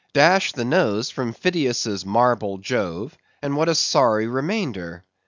Dash the nose from Phidias's marble Jove, and what a sorry remainder!